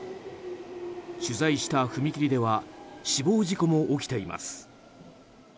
取材した踏切では死亡事故も起きています。